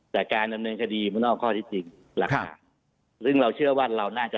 แต่การดำเนินคดีมันนอกข้อที่จริงหลักฐานซึ่งเราเชื่อว่าเราน่าจะ